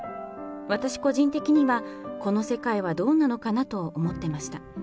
私個人的には、この世界はどうなのかなと思ってました。